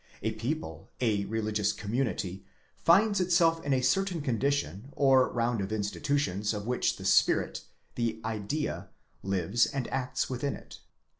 A people,a religious community, finds itself in a certain condition or round of institutions of which the spirit, the idea, lives and acts within it.